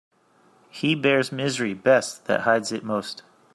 He bears misery best that hides it most.